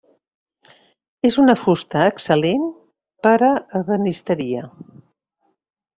És una fusta excel·lent per a ebenisteria.